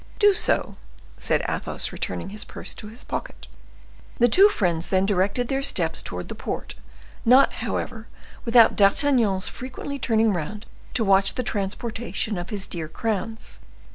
"Do so," said Athos, returning his purse to his pocket. The two friends then directed their steps towards the port, not, however, without D'Artagnan's frequently turning round to watch the transportation of his dear crowns.